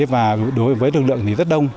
và đối với lực lượng thì rất đông